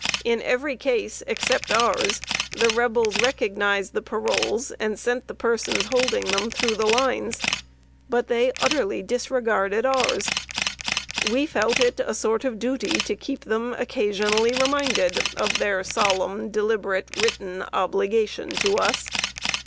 In every case, except ours, the Rebels recognized the paroles, and sent the persons holding them through the lines. But they utterly disregarded ours. We felt it a sort of duty to keep them occasionally reminded of their solemn, deliberate, written obligation to us.